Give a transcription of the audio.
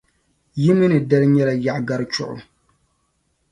Yi mi ni dali nyɛla Yaɣigari Chuɣu.